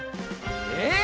え